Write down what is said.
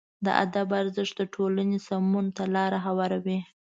د ادب ارزښت د ټولنې سمون ته لاره هواروي.